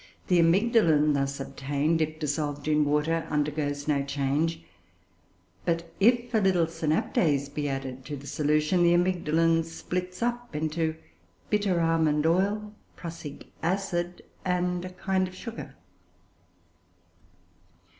The amygdalin thus obtained, if dissolved in water, undergoes no change; but if a little synaptase be added to the solution, the amygdalin splits up into bitter almond oil, prussic acid, and a kind of sugar.